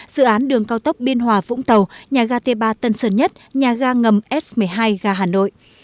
dự án đường cao tốc biên hòa vũng tàu nhà ga t ba tân sơn nhất nhà ga ngầm s một mươi hai ga hà nội